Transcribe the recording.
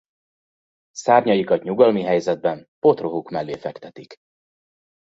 Szárnyaikat nyugalmi helyzetben potrohuk mellé fektetik.